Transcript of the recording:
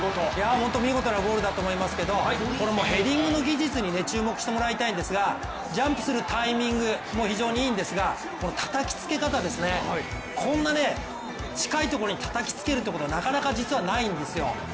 本当に見事なゴールだと思いますけど、これ、ヘディングの技術に注目してもらいたいんですがジャンプするタイミングも非常にいいんですがこのたたきつけ方、こんな近いところにたたきつけるっていうことはなかなか実はないんですよ。